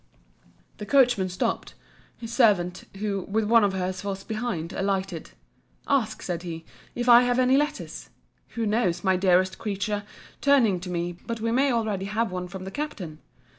The coachman stopped: his servant, who, with one of her's was behind, alighted—Ask, said he, if I have any letters? Who knows, my dearest creature, turning to me, but we may already have one from the Captain?